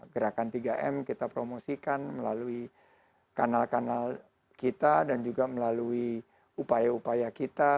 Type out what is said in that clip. gerakan tiga m kita promosikan melalui kanal kanal kita dan juga melalui upaya upaya kita